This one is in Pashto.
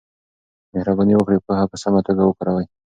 مهرباني وکړئ پوهه په سمه توګه وکاروئ.